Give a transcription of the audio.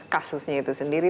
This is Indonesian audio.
kasusnya itu sendiri